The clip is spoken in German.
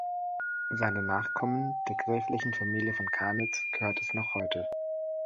Seinen Nachkommen, der gräflichen Familie von Kanitz, gehört es noch heute.